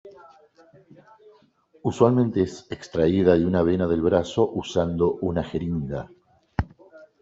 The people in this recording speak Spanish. Usualmente es extraída de una vena del brazo usando una jeringa.